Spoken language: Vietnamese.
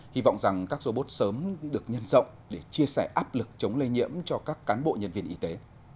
hy vọng rằng các robot sớm được nhân rộng để chia sẻ áp lực chống lây nhiễm cho các cán bộ nhân viên y tế